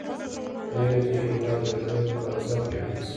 نوې تجربه د زړه دروازه پرانیزي